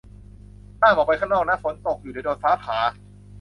ห้ามออกไปข้างนอกนะ ฝนตกอยู่ เดี๋ยวโดนฟ้าผ่า